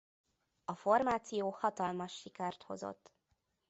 A formáció hatalmas sikert hozott.